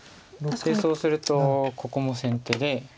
でそうするとここも先手で。